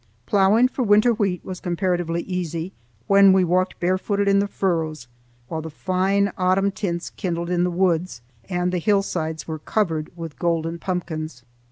Ploughing for winter wheat was comparatively easy, when we walked barefooted in the furrows, while the fine autumn tints kindled in the woods, and the hillsides were covered with golden pumpkins.